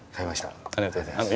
ありがとうございます。